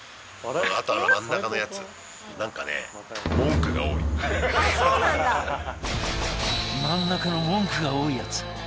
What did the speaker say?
あとは真ん中のやつ何かね真ん中の文句が多いやつ